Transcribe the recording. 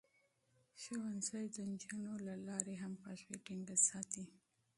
ښوونځی د نجونو له لارې همغږي ټينګه ساتي.